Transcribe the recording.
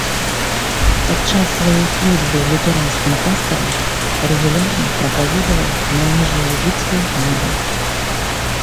Падчас сваёй службы лютэранскім пастарам рэгулярна прапаведаваў на ніжнялужыцкай мове.